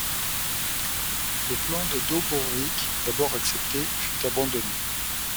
Le plan de Dobrović, d'abord accepté, fut abandonné.